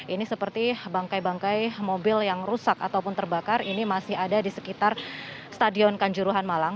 ini seperti bangkai bangkai mobil yang rusak ataupun terbakar ini masih ada di sekitar stadion kanjuruhan malang